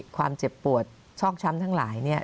ความเจ็บปวดชอกช้ำทั้งหลาย